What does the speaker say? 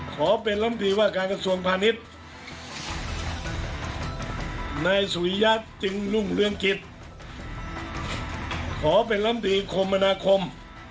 ขอเป็นลำดีคมมนาคม